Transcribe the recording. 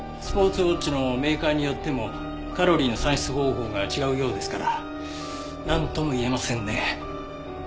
スポーツウォッチのメーカーによってもカロリーの算出方法が違うようですからなんとも言えませんね。